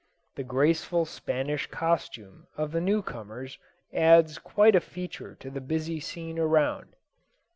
The graceful Spanish costume of the new comers adds quite a feature to the busy scene around.